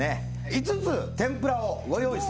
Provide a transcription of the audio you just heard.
５つ天ぷらをご用意しておりますので。